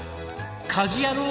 『家事ヤロウ！！！』